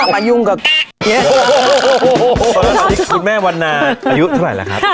อยากมายุ่งกับเนี้ยคุณแม่วันนาอายุเท่าไหร่แล้วครับ